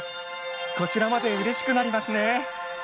こちらまでうれしくなりますね。